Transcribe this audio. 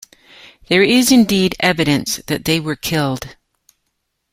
There is indeed evidence that they were killed.